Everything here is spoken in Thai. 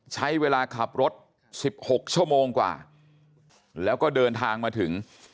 ใช้เวลาขับรถ๑๖ชั่วโมงกว่าแล้วก็เดินทางมาถึง